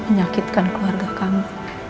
menyakitkan keluarga kami